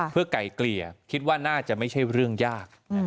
เพื่อไก่เกลี่ยคิดว่าน่าจะไม่ใช่เรื่องยาก